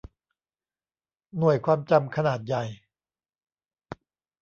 หน่วยความจำขนาดใหญ่